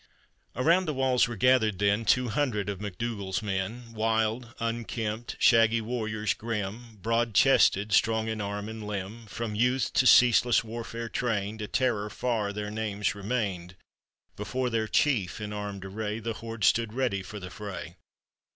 Around the walls were gathered then, Two hundred of MacDougal's men, Wild, unkempt, shaggy warriors grim, Broad chested, strong in arm and limb ; From youth to ceaseless warfare trained, A terror far their names remained; Before their chief in armed array, The horde stood ready for the fray.